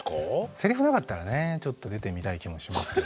セリフなかったらねちょっと出てみたい気もしますけど。